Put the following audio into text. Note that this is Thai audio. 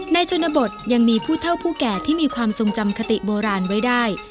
ชนบทยังมีผู้เท่าผู้แก่ที่มีความทรงจำคติโบราณไว้ได้